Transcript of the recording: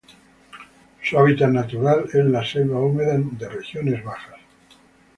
Su hábitat natural es la selva húmeda de regiones bajas.